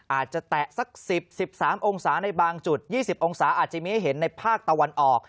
อาจจะแตะสัก๑๐๑๓องศาในบางจุด๒๐องศาอาจจะมีให้เห็นในภาคตะวันออก